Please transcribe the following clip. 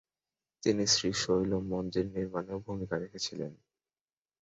তিনি শ্রীশৈলম মন্দির নির্মাণেও ভূমিকা রেখেছিলেন।